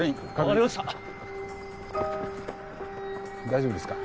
大丈夫ですか？